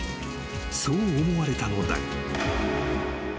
そう思われたのだが］